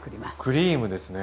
クリームですね。